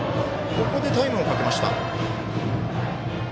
ここでタイムをかけました。